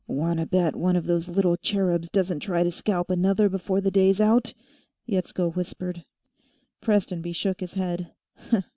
"Wantta bet one of those little cherubs doesn't try to scalp another before the day's out?" Yetsko whispered. Prestonby shook his head.